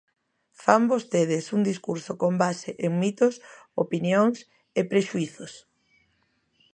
Fan vostedes un discurso con base en mitos, opinións e prexuízos.